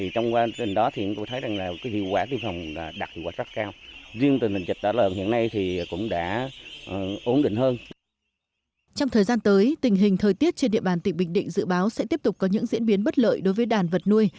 trong thời gian tới tình hình thời tiết trên địa bàn tỉnh bình định dự báo sẽ tiếp tục có những diễn biến bất lợi đối với đàn vật nuôi